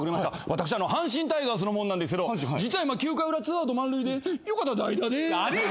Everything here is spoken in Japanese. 私阪神タイガースの者なんですけど実は今９回裏２アウト満塁でよかったら代打で。